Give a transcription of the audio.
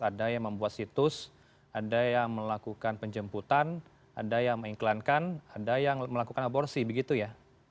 ada yang membuat situs ada yang melakukan penjemputan ada yang mengiklankan ada yang melakukan aborsi begitu ya